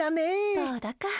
どうだか。